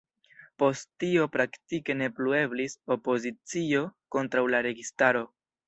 Post tio praktike ne plu eblis opozicio kontraŭ la registaro.